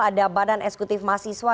ada badan eksekutif mahasiswa